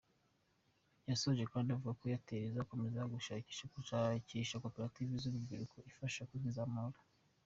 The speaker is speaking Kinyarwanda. Yasoje kandi avuga ko Airtel izakomeza gushakisha koperative z’urubyiruko ifasha kwizamura.